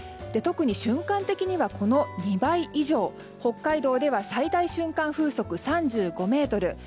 特に瞬間的には、この２倍以上北海道では最大瞬間風速３５メートル